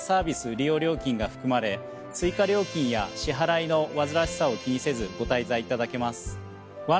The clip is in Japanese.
利用料金が含まれ追加料金や支払いの煩わしさを気にせずご滞在いただけます。